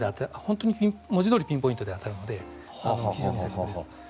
文字どおりピンポイントで当たるので非常に正確です。